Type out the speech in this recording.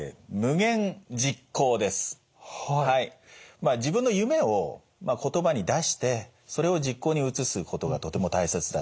まあ自分の夢を言葉に出してそれを実行に移すことがとても大切だ。